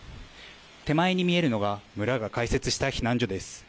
手前に見えるのが村が開設した避難所です。